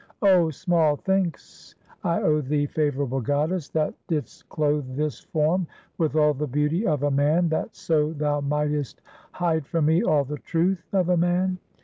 Oh, small thanks I owe thee, Favorable Goddess, that didst clothe this form with all the beauty of a man, that so thou mightest hide from me all the truth of a man.